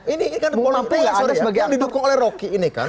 ini kan yang didukung oleh rocky ini kan